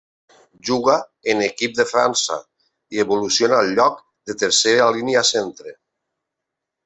Juga en equip de França i evoluciona al lloc de tercera línia centre.